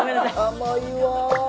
甘いわ。